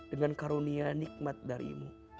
dengan karunia nikmat darimu